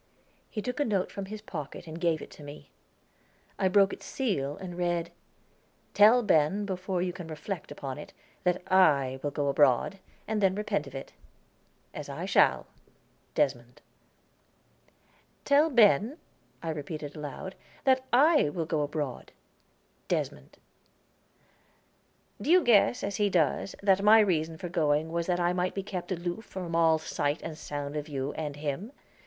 He took a note from his pocket and gave it to me. I broke its seal, and read: "Tell Ben, before you can reflect upon it, that I will go abroad, and then repent of it, as I shall. Desmond." "'Tell Ben,'" I repeated aloud, "'that I will go abroad. Desmond.'" "Do you guess, as he does, that my reason for going was that I might be kept aloof from all sight and sound of you and him?